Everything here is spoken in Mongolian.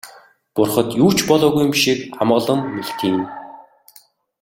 Бурхад юу ч болоогүй юм шиг амгалан мэлтийнэ.